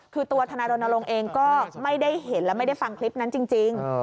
คือตัวทนายรณรงค์เองก็ไม่ได้เห็นและไม่ได้ฟังคลิปนั้นจริง